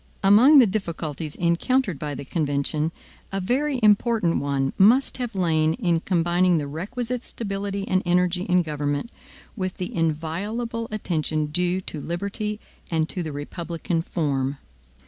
Among the difficulties encountered by the convention, a very important one must have lain in combining the requisite stability and energy in government, with the inviolable attention due to liberty and to the republican form.